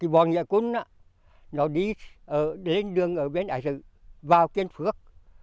bọn nhà quân đi lên đường ở bên đại dự vào kiên phước